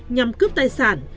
nhằm cướp tài sản